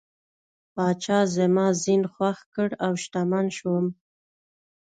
پاچا زما زین خوښ کړ او شتمن شوم.